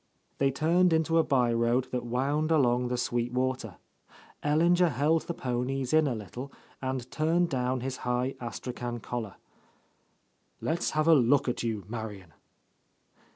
They turned into a by road that wound along the Sweet Water. Ellinger held — 63 — A Lost Lady the ponies in a little and turned down his high astrachan collar. "Let's have a look at you, Marian."